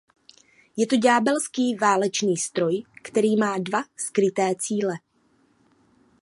Je to ďábelský válečný stroj, který má dva skryté cíle.